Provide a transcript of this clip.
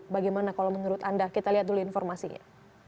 bagaimana kalau menurut anda kita lihat dulu informasinya